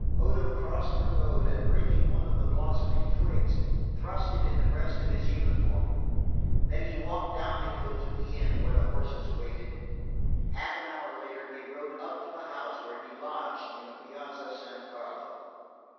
Odo crossed the road and, breaking one of the blossoming twigs, thrust it in the breast of his uniform. Then he walked down the hill to the inn where the horses waited. Half an hour later he rode up to the house where he lodged in the Piazza San Carlo.